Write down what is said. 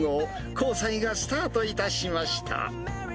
交際がスタートいたしました。